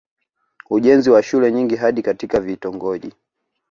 ujenzi wa shule nyingi hadi katika vitongoji